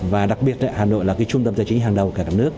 và đặc biệt hà nội là trung tâm giải trí hàng đầu của cả nước